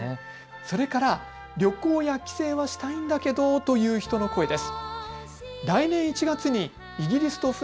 それから、旅行や帰省はしたいんだけどという人の声です。